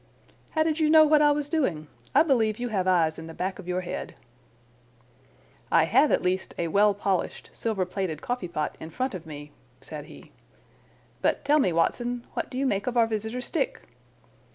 "How did you know what I was doing? I believe you have eyes in the back of your head." "I have, at least, a well polished, silver plated coffee pot in front of me," said he. "But, tell me, Watson, what do you make of our visitor's stick?